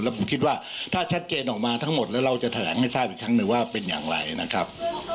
ผมคิดว่าถ้าชัดเจนออกมาทั้งหมดแล้วเราจะแถลงให้ทราบอีกครั้งหนึ่งว่าเป็นอย่างไรนะครับ